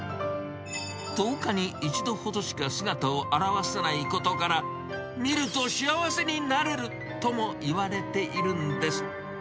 １０日に１度ほどしか姿を現さないことから、見ると幸せになれるともいわれているんです。